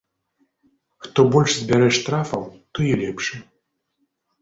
Хто больш збярэ штрафаў, той і лепшы.